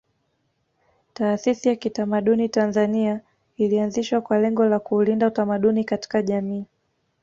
Taasisi ya kitamaduni Tanzania ilianzishwa kwa lengo la kuulinda utamaduni katika jamii